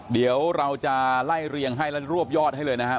เดี๋ยวเราจะไล่เรียงให้และรวบยอดให้เลยนะครับ